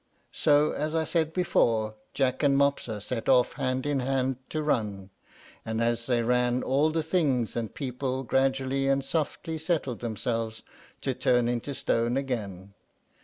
So, as I said before, Jack and Mopsa set off hand in hand to run; and as they ran all the things and people gradually and softly settled themselves to turn into stone again.